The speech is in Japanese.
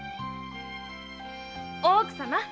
大奥様。